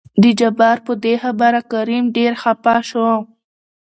د جبار په دې خبره کريم ډېر خپه شو.